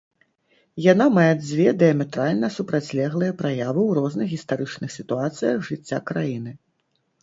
Яна мае дзве дыяметральна супрацьлеглыя праявы ў розных гістарычных сітуацыях жыцця краіны.